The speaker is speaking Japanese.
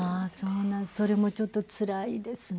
あそれもちょっとつらいですね。